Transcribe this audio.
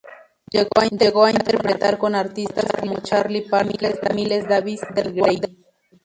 Llegó a interpretar con artistas como Charlie Parker, Miles Davis y Wardell Gray.